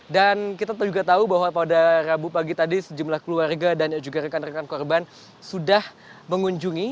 dan kita juga tahu bahwa pada rabu pagi tadi sejumlah keluarga dan juga rekan rekan korban sudah mengunjungi